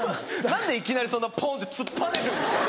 何でいきなりそんなポンって突っぱねるんですか？